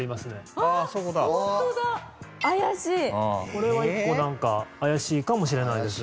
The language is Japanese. これは一個なんか怪しいかもしれないです。